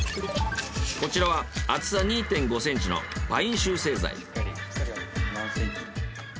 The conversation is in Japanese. こちらは厚さ２．５ｃｍのパイン集成材。